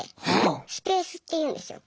「スペース」って言うんですよ。